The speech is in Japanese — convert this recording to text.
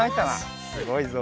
すごいぞ。